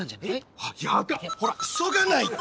ほら急がないと！